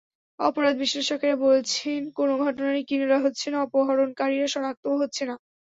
অপরাধ বিশ্লেষকেরা বলছেন, কোনো ঘটনারই কিনারা হচ্ছে না, অপহরণকারীরা শনাক্তও হচ্ছে না।